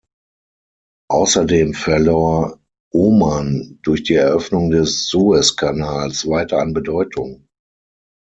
Außerdem verlor Oman durch die Eröffnung des Sueskanals weiter an Bedeutung.